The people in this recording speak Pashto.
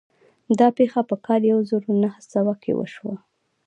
دا پېښه په کال يو زر و نهه سوه کې وشوه.